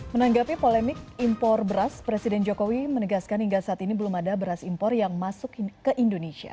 menanggapi polemik impor beras presiden jokowi menegaskan hingga saat ini belum ada beras impor yang masuk ke indonesia